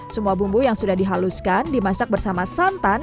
semua bumbu yang sudah dihaluskan dimasak bersama santan